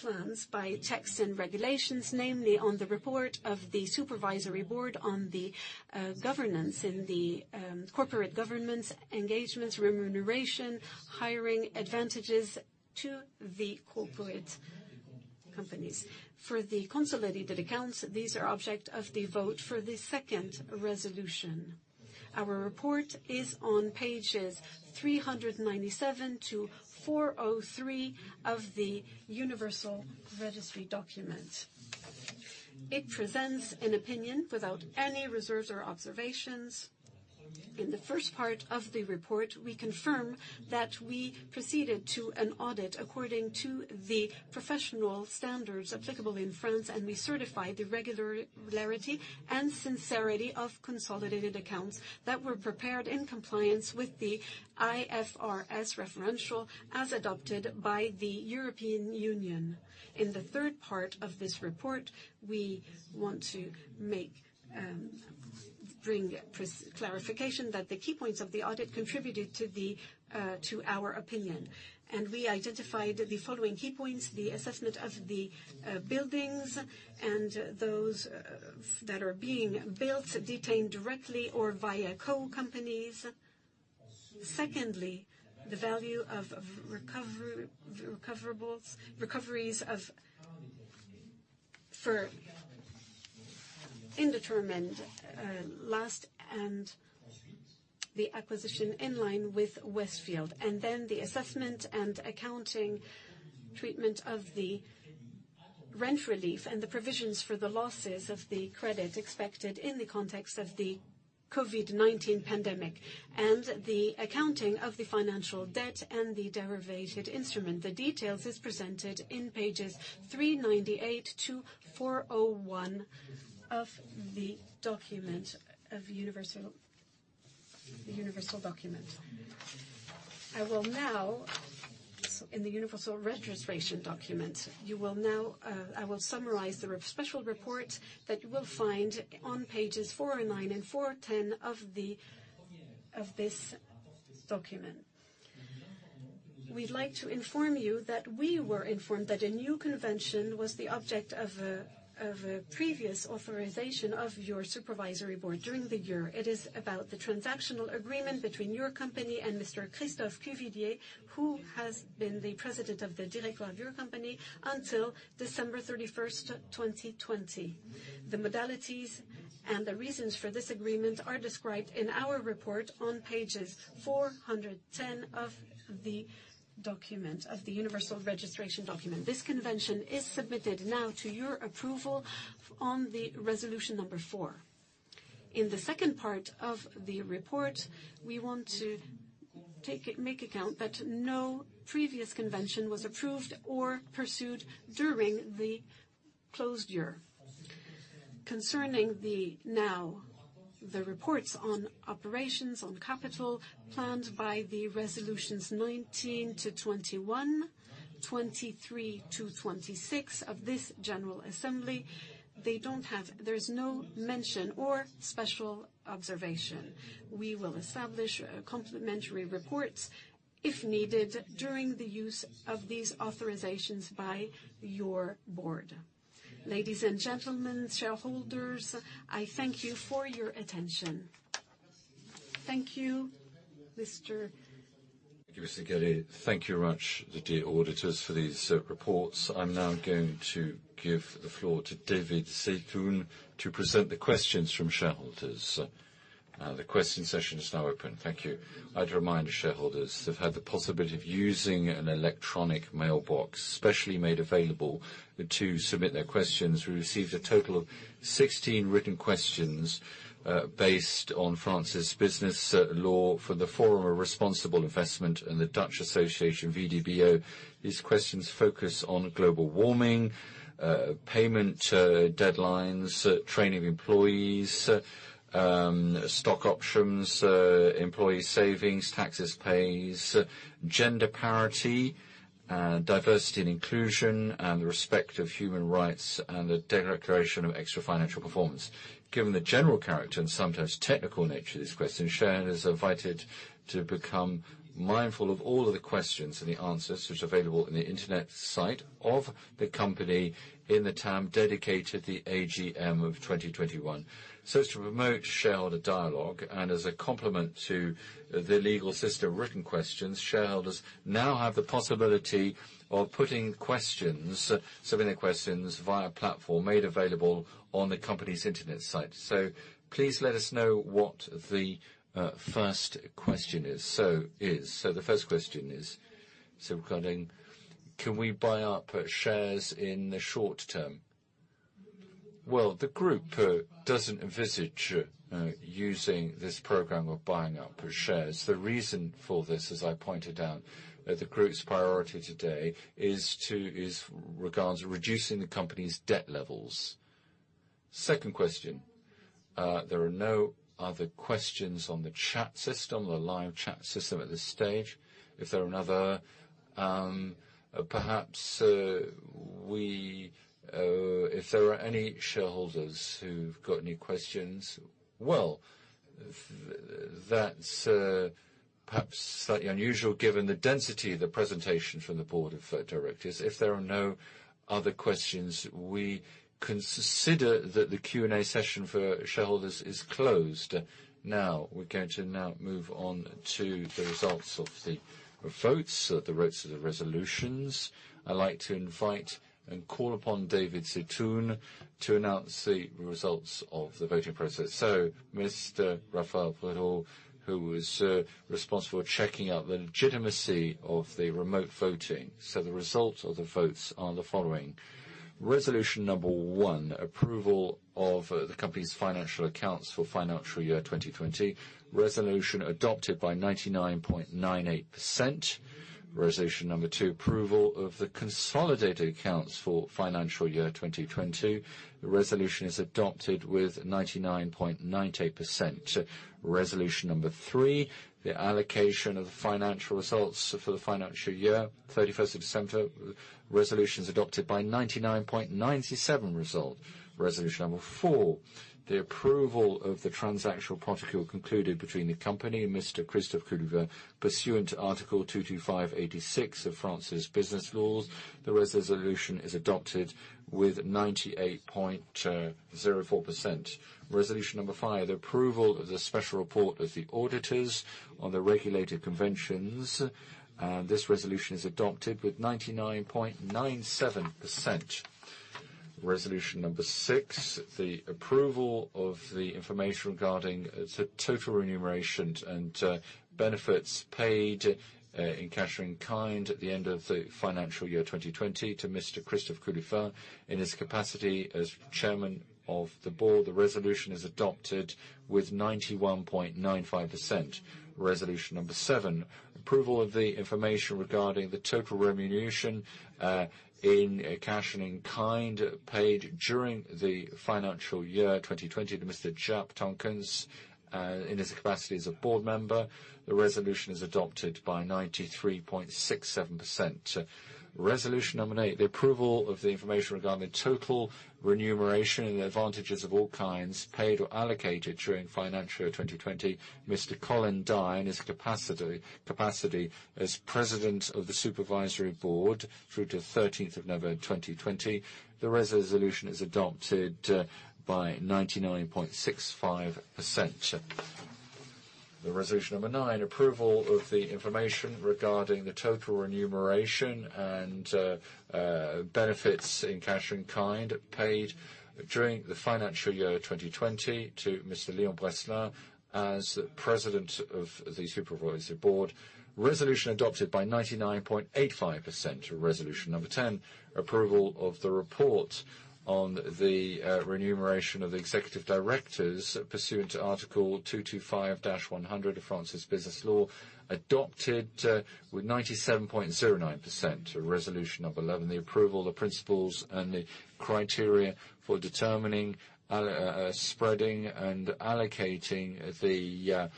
Speaker 1: points by checks and procedures, namely on the report of the Supervisory Board, on the governance and the corporate governance, engagements, remuneration, and advantages to corporate officers. For the consolidated accounts, these are object of the vote for the second resolution. Our report is on pages 397-403 of the Universal Registration Document. It presents an opinion without any reserves or observations. In the first part of the report, we confirm that we proceeded to an audit according to the professional standards applicable in France, and we certified the regularity and sincerity of consolidated accounts that were prepared in compliance with the IFRS referential, as adopted by the European Union. In the third part of this report, we want to bring clarification that the key points of the audit contributed to our opinion. We identified the following key points: the assessment of the buildings and those that are being built, held directly or via co-companies. Secondly, the value of recoverables, recoveries for indeterminate lease and the acquisition in line with Westfield, and then the assessment and accounting treatment of the rent relief and the provisions for the losses of the credit expected in the context of the COVID-19 pandemic, and the accounting of the financial debt and the derivative instrument. The details is presented in pages 398-401 of the document, of Universal, the Universal document. I will now summarize the special report that you will find on pages 409 and 410 of this document. We'd like to inform you that we were informed that a new convention was the object of a previous authorization of your Supervisory Board during the year. It is about the transactional agreement between your company and Mr. Christophe Cuvillier, who has been the president of the directoire of your company until December 31st, 2020. The modalities and the reasons for this agreement are described in our report on pages 410 of the document, of the Universal Registration Document. This convention is submitted now to your approval on the Resolution Number 4. In the second part of the report, we want to take it, make account that no previous convention was approved or pursued during the closed year. Concerning now, the reports on operations on capital planned by the resolutions 19-21, 23-26 of this general assembly, they don't have there's no mention or special observation. We will establish complementary reports if needed, during the use of these authorizations by your board. Ladies and gentlemen, shareholders, I thank you for your attention. Thank you, mister? Thank you, Mr. Gadret. Thank you very much, the dear auditors, for these reports. I'm now going to give the floor to David Zeitoun, to present the questions from shareholders. The question session is now open. Thank you. I'd remind shareholders, they've had the possibility of using an electronic mailbox, specially made available to submit their questions. We received a total of 16 written questions, based on France's business law for the Forum of Responsible Investment and the Dutch Association, VBDO. These questions focus on global warming, payment, deadlines, training employees, stock options, employee savings, taxes paid, gender parity, diversity and inclusion, and the respect of human rights, and the declaration of extra-financial performance. Given the general character, and sometimes technical nature of these questions, Sharon is invited to become mindful of all of the questions and the answers which are available in the Internet site of the company, in the tab dedicated to the AGM of 2021. As to promote shareholder dialogue, and as a complement to the legal system written questions, shareholders now have the possibility of putting questions, submitting questions via a platform made available on the company's Internet site. Please let us know what the first question is. The first question is regarding, can we buy up shares in the short term? Well, the group doesn't envisage using this program of buying up shares. The reason for this, as I pointed out, the group's priority today is regarding reducing the company's debt levels. Second question, there are no other questions on the chat system, the live chat system at this stage. Is there another, Perhaps, we, if there are any shareholders who've got any questions? Well, that's, perhaps slightly unusual, given the density of the presentation from the Board of Directors. If there are no other questions, we consider that the Q&A session for shareholders is closed. Now, we're going to now move on to the results of the votes, the votes of the resolutions. I'd like to invite and call upon David Zeitoun to announce the results of the voting process. So, Mister Raphael Prud'hon, who was, responsible for checking out the legitimacy of the remote voting. So the results of the votes are the following: Resolution Number one, approval of, the company's financial accounts for financial year 2020. Resolution adopted by 99.98%. Resolution Number two, approval of the consolidated accounts for financial year 2020. The resolution is adopted with 99.98%. Resolution Number three, the allocation of the financial results for the financial year, 31st of December. Resolution is adopted by 99.97%. Resolution Number four, the approval of the transactional protocol concluded between the company and Mister Christophe Cuvillier, pursuant to Article 225-86 of France's business laws. The resolution is adopted with 98.04%. Resolution Number five, the approval of the special report of the auditors on the regulated conventions, and this resolution is adopted with 99.97%. Resolution Number six, the approval of the information regarding the total remuneration and benefits paid in cash and in kind at the end of the financial year 2020, to Mister Christophe Cuvillier, in his capacity as Chairman of the board. The resolution is adopted with 91.95%. Resolution Number seven, approval of the information regarding the total remuneration in cash and in kind, paid during the financial year 2020 to Mister Jaap Tonkens in his capacity as a Board member. The resolution is adopted by 93.67%. Resolution Number eight, the approval of the information regarding total remuneration and the advantages of all kinds paid or allocated during financial year 2020. Mister Colin Dyer, in his capacity as President of the Supervisory Board through to 13th of November 2020. The resolution is adopted by 99.65%. The Resolution Number Nine, approval of the information regarding the total remuneration and benefits in cash and kind paid during the financial year 2020 to Mr. Léon Bressler, as President of the Supervisory Board. Resolution adopted by 99.85%. Resolution Number 10, approval of the report on the remuneration of the executive directors pursuant to Article 225-100 of France's business law, adopted with 97.09%. Resolution Number 11, the approval, the principles, and the criteria for determining, spreading and allocating the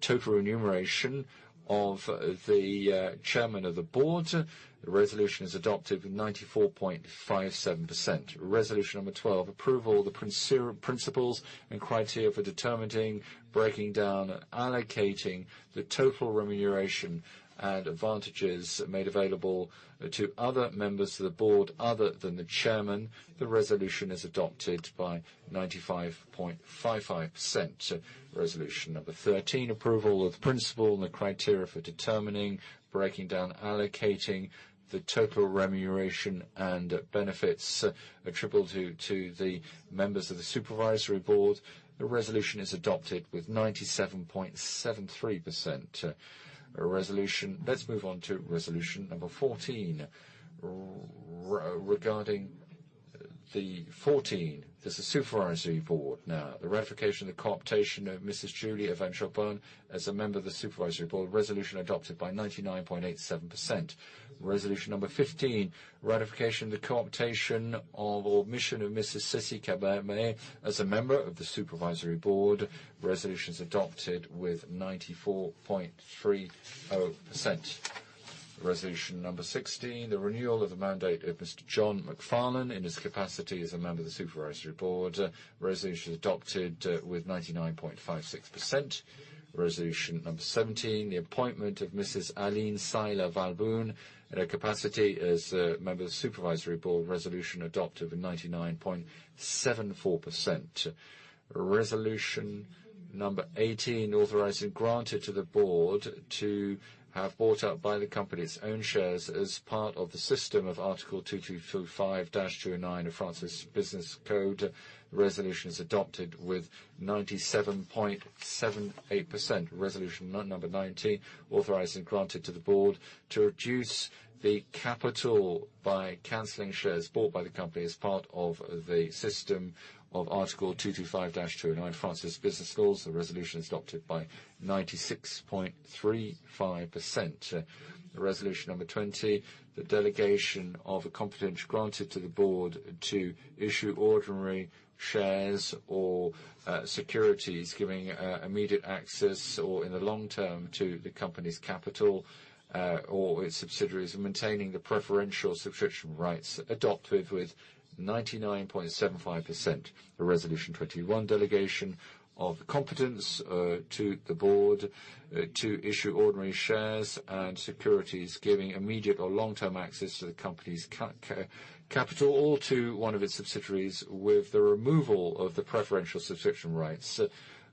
Speaker 1: total remuneration of the Chairman of the Board. The resolution is adopted with 94.57%. Resolution Number 12, approval of the principles and criteria for determining, breaking down, and allocating the total remuneration and advantages made available to other members of the Board other than the Chairman. The resolution is adopted by 95.55%. Resolution Number 13, approval of the principle and the criteria for determining, breaking down, allocating the total remuneration and benefits attributable to the members of the Supervisory Board. The resolution is adopted with 97.73%. Resolution. Let's move on to Resolution Number 14. Regarding the 14, this is Supervisory Board now. The ratification of the co-optation of Mrs. Julie Avrane as a member of the Supervisory Board. Resolution adopted by 99.87%. Resolution Number 15, ratification of the co-optation of Mrs. Cécile Cabanis as a member of the Supervisory Board. Resolution is adopted with 94.30%. Resolution Number 16, the renewal of the mandate of Mr. John McFarlane in his capacity as a member of the Supervisory Board. Resolution is adopted with 99.56%. Resolution Number 17, the appointment of Mrs. Aline Sylla-Walbaum, in her capacity as a member of the Supervisory Board. Resolution adopted with 99.74%. Resolution Number 18, authorization granted to the Board to buy back the company's own shares as part of the system of Article 225-209 of France's Commercial Code. Resolution is adopted with 97.78%. Resolution Number 19, authorization granted to the Board to reduce the capital by canceling shares bought by the company as part of the system of Article 225-209 of France's Commercial Code. The resolution is adopted by 96.35%. Resolution Number 20, the delegation of a competence granted to the Board to issue ordinary shares or securities, giving immediate access, or in the long term, to the company's capital or its subsidiaries, and maintaining the preferential subscription rights, adopted with 99.75%. Resolution 21, delegation of competence to the Board to issue ordinary shares and securities, giving immediate or long-term access to the company's capital, or to one of its subsidiaries, with the removal of the preferential subscription rights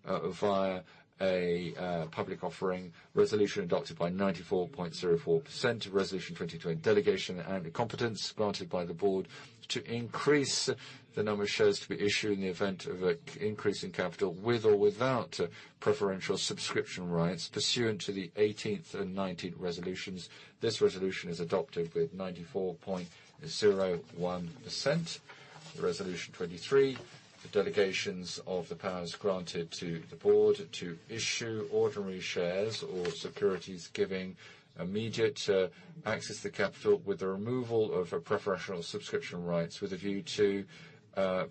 Speaker 1: via a public offering. Resolution adopted by 94.04%. Resolution 22, delegation and competence granted by the Board to increase the number of shares to be issued in the event of an increase in capital, with or without preferential subscription rights pursuant to the 18th and 19th resolutions. This resolution is adopted with 94.01%. Resolution 23, the delegations of the powers granted to the Board to issue ordinary shares or securities, giving immediate access to capital with the removal of the preferential subscription rights, with a view to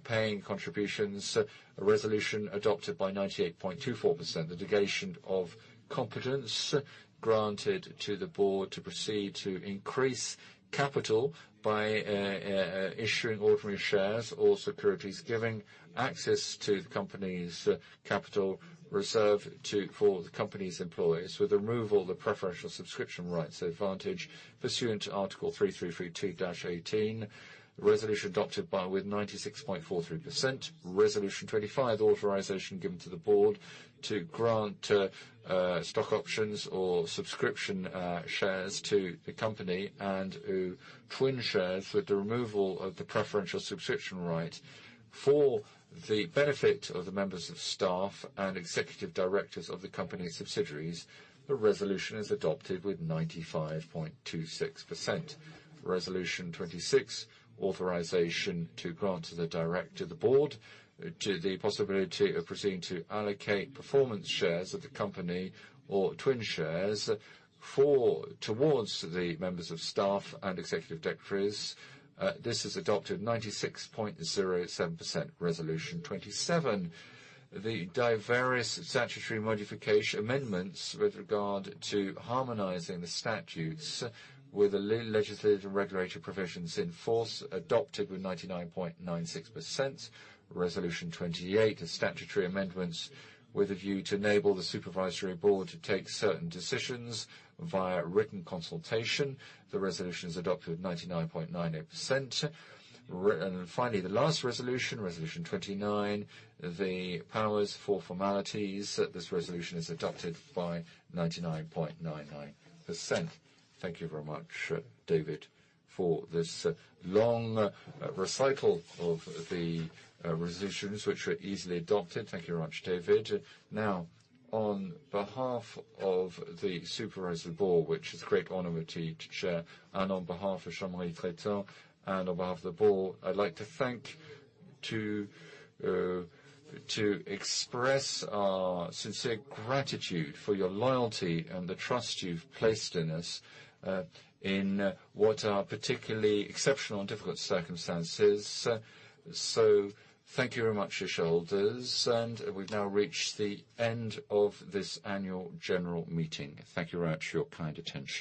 Speaker 1: paying contributions. A resolution adopted by 98.24%. The delegation of competence granted to the Board to proceed to increase capital by issuing ordinary shares or securities, giving access to the company's capital reserved for the company's employees with the removal of the preferential subscription rights advantage pursuant to Article 3332-18. Resolution adopted with 96.43%. Resolution 25, authorization given to the Board to grant stock options or subscription shares to the company and URW shares with the removal of the preferential subscription right for the benefit of the members of staff and executive directors of the company's subsidiaries. The resolution is adopted with 95.26%. Resolution 26, authorization given to the Board the possibility of proceeding to allocate performance shares of the company or URW shares towards the members of staff and executive directors. This is adopted 96.07%. Resolution 27, the various statutory modification amendments with regard to harmonizing the statutes with the legislative and regulatory provisions in force, adopted with 99.96%. Resolution 28, the statutory amendments with a view to enable the Supervisory Board to take certain decisions via written consultation. The resolution is adopted 99.98%. And finally, the last resolution, Resolution 29, the powers for formalities. This resolution is adopted by 99.99%. Thank you very much, David, for this, long, recital of the, resolutions which were easily adopted. Thank you very much, David. Now, on behalf of the Supervisory Board, which is a great honor to chair, and on behalf of Jean-Marie Tritant, and on behalf of the board, I'd like to thank to, to express our sincere gratitude for your loyalty and the trust you've placed in us, in what are particularly exceptional and difficult circumstances. So thank you very much, shareholders, and we've now reached the end of this Annual General Meeting. Thank you very much for your kind attention.